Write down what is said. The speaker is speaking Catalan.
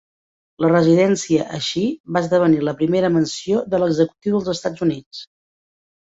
La residència així va esdevenir la primera mansió de l'executiu dels Estats Units.